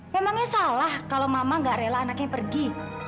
memangnya salah kalau mama gak rela anaknya pergi